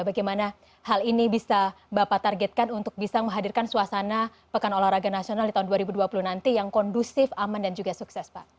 bagaimana hal ini bisa bapak targetkan untuk bisa menghadirkan suasana pekan olahraga nasional di tahun dua ribu dua puluh nanti yang kondusif aman dan juga sukses pak